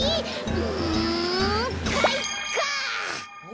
うんかいか！